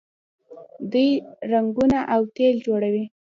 دوی رنګونه او تیل جوړوي.